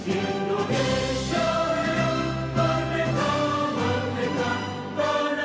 indonesia raya mereka mereka tanahku dan ibu yang ku cinta